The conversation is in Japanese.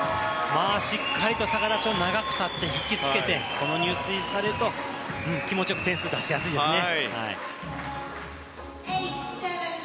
しっかりと逆立ちを長く立って引きつけてこの入水されると気持ちよく点数出しやすいですね。